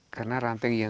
karena rantai yang